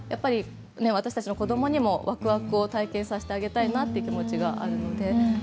私たちの子どもにもわくわくを体験させてあげたいなという気持ちがあります。